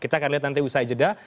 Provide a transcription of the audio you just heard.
kita akan lihat nanti usai jeda